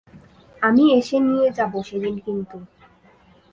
আমি এসে নিয়ে যাবো সেদিন কিন্তু।